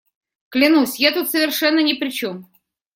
Клянусь, я тут совершенно ни при чем.